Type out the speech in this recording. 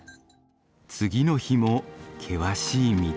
次の日も険しい道。